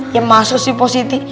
ya masuk sih positi